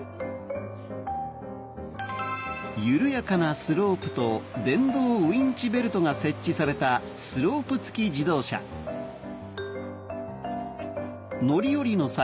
緩やかなスロープと電動ウインチベルトが設置された乗り降りの際